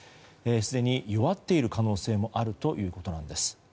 すでに弱っている可能性もあるということなんです。